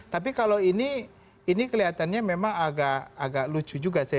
tapi kalau ini kelihatannya memang agak lucu juga